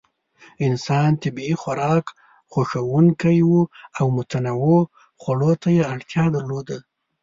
انسان طبیعي خوراک خوښونکی و او متنوع خوړو ته یې اړتیا درلوده.